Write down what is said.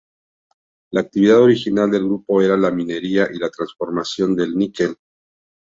La actividad original del grupo era la minería y la transformación del níquel.